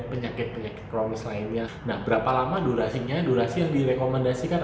penyakit penyakit kronis lainnya nah berapa lama durasinya durasi yang direkomendasikan